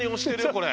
これ。